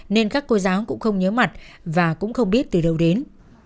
nên các cô giáo cũng không nhớ mặt và cũng không biết từ đâu đến